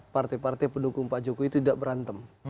partai partai pendukung pak jokowi itu tidak berantem